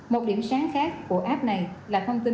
một điểm sáng khác của app này là thông tin